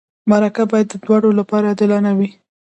مرکه باید د دواړو لپاره عادلانه وي.